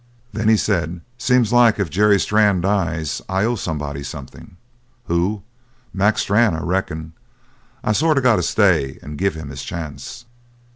Then he said: "Seems like if Jerry Strann dies I owe somebody something. Who? Mac Strann, I reckon. I sort of got to stay and give him his chance."